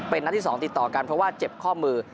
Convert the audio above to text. เป็นนัดที่๒ติดต่อกันเพราะว่าเจ็บข้อมือ